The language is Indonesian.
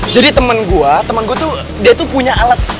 jadi teman gue teman gue tuh dia tuh punya alat